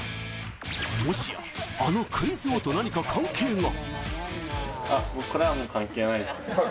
もしやあのクイズ王と何か関係が？